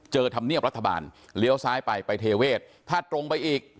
ธรรมเนียบรัฐบาลเลี้ยวซ้ายไปไปเทเวศถ้าตรงไปอีก